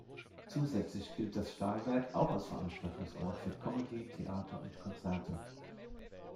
Zusätzlich gilt das Stahlwerk auch als Veranstaltungsort für Comedy, Theater und Konzerte.